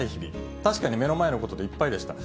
確かに目の前のことでいっぱいでした。